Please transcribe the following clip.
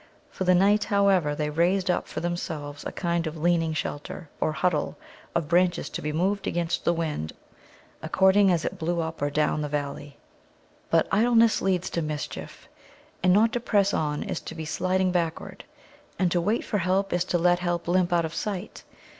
For the night, however, they raised up for themselves a kind of leaning shelter, or huddle, of branches to be moved against the wind according as it blew up or down the valley. But idleness leads to mischief. And not to press on is to be sliding backward. And to wait for help is to let help limp out of sight.